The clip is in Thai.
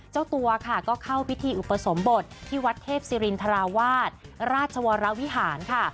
เจ้าตัวค่ะก็เข้าพิธีอุปสมบทที่วัดเทพศิรินทราวาสราชวรวิหารค่ะ